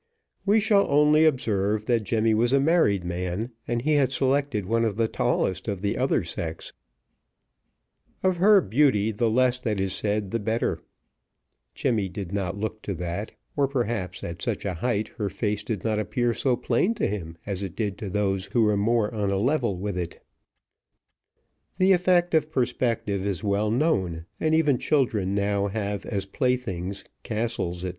We shall only observe that Jemmy was a married man, and he had selected one of the tallest of the other sex: of her beauty the less that is said the better Jemmy did not look to that, or perhaps, at such a height, her face did not appear so plain to him as it did who were to those more on a level with it. The effect of perspective is well known, and even children now have as playthings, castles, &c.